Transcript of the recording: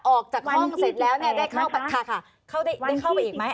ออกจากห้องเสร็จแล้วได้เข้าไปอีกไหม